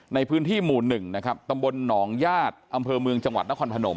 ในพื้นที่หมู่๑นะครับตำบลหนองญาติอำเภอเมืองจังหวัดนครพนม